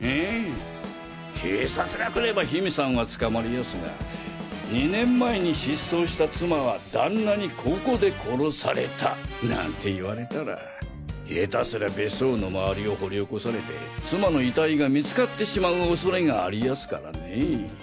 ええ警察が来れば緋美さんは捕まりやすが「２年前に失踪した妻は旦那にここで殺された」なんて言われたら下手すりゃ別荘の周りを掘り起こされて妻の遺体が見つかってしまう恐れがありやすからねえ。